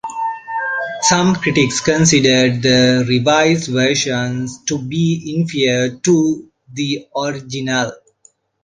Some critics considered the revised version to be inferior to the original.